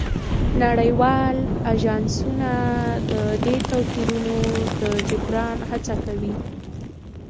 نړیوال اژانسونه د دې توپیرونو د جبران هڅه کوي